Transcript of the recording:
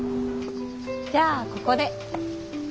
じゃあここで。